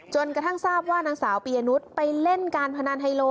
จนกระทั่งทราบว่านางสาวปียนุษย์ไปเล่นการพนันไฮโล